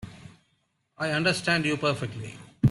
I understand you perfectly.